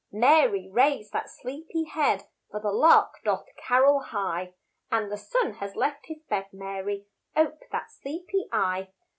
Mary, raise that sleepy head, For the lark doth carol high, And the sun has left his bed Mary, ope that sleepy eye.